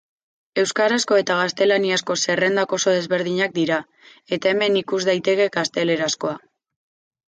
Euskarazko eta gaztelaniazko zerrendak oso desberdinak dira, eta hemen ikus daiteke gaztelerazkoa.